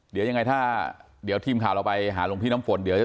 เดี๋ยวยังไงถ้าทีมข่าวเราไปหาลงพี่น้ำฝน